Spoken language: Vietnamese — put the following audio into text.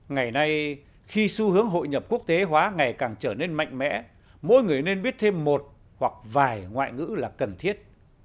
ngày nay khi xu hướng hội nhập quốc tế hóa ngày càng trở nên mạnh mẽ mỗi người nên biết thêm một hoặc vài ngoại ngữ là cần thiết